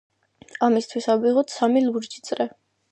ამისთვის ავიღოთ სამი ლურჯი წრე.